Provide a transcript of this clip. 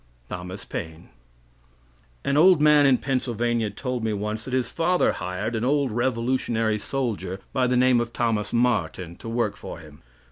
Thomas Paine" An old man in Pennsylvania told me once that his father hired a old revolutionary soldier by the name of Thomas Martin to work for him.